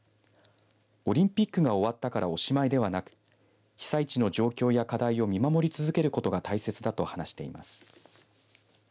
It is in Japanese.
オリンピックが終わったからおしまいではなく被災地の状況や課題を見守り続けることが大切だと話しています。